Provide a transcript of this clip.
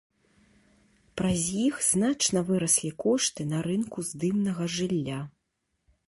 Праз іх значна выраслі кошты на рынку здымнага жылля.